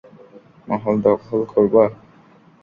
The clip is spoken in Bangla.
মহল দখল করবা?